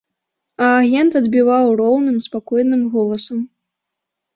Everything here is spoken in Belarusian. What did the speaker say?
А агент адбіваў роўным спакойным голасам.